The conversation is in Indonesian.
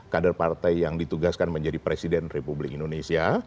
kader partai yang ditugaskan menjadi presiden republik indonesia